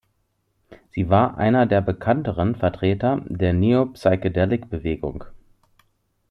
Sie war einer der bekannteren Vertreter der Neo-Psychedelic-Bewegung.